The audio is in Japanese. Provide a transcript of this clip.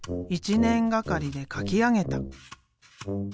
１年がかりで描き上げた。